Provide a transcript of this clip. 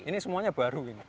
ini semuanya baru ini